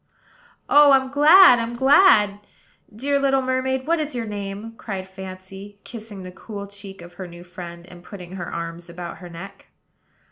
"Oh, I'm glad, I'm glad! Dear little mermaid, what is your name?" cried Fancy, kissing the cool cheek of her new friend, and putting her arms about her neck.